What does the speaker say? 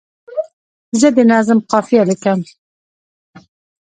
زه د نظم قافیه لیکم.